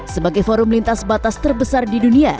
sebagai forum lintas batas terbesar di dunia